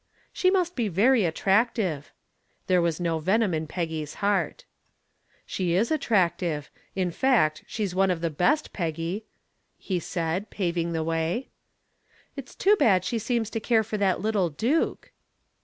"She must be very attractive." There was no venom in Peggy's heart. "She is attractive. In fact, she's one of the best, Peggy," he said, paving the way. "It's too bad she seems to care for that little Duke."